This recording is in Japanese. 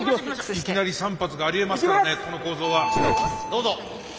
いきなり３発がありえますからねこの構造は。どうぞ。